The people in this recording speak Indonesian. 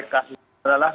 kasus ini adalah